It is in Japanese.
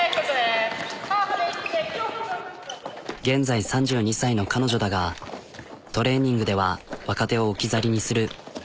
現在３２歳の彼女だがトレーニングでは若手を置き去りにする。